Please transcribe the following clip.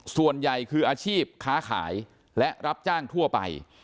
ส่วนใหญ่คืออาชีพค้าขายและรับจ้างทั่วไป